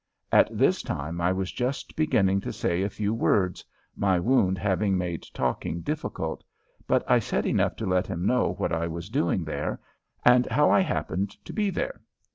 At this time I was just beginning to say a few words, my wound having made talking difficult, but I said enough to let him know what I was doing there and how I happened to be there.